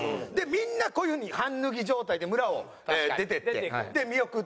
みんなこういう風に半脱ぎ状態で村を出ていって見送ってやってたんですけど。